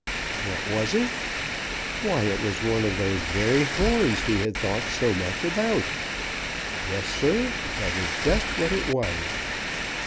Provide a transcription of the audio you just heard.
What was it? Why, it was one of those very horns he had thought so much about! Yes, Sir, that is just what it was.